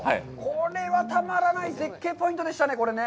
これはたまらない絶景ポイントでしたね、これね。